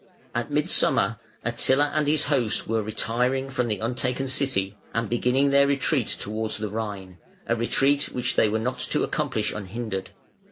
At midsummer Attila and his host were retiring from the untaken city, and beginning their retreat towards the Rhine, a retreat which they were not to accomplish unhindered.